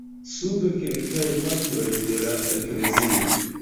Sube, kelkaj Patroj de la Eklezio.